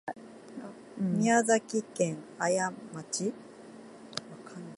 宮崎県綾町